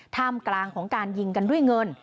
ท่ามกลางของการยิงกันด้วยเงิน